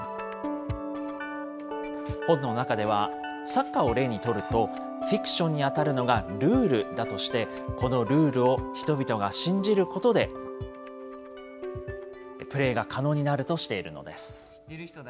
本の中では、サッカーを例にとると、フィクションに当たるのがルールだとして、このルールを人々が信じることで、プレーが可能になるとしているのです。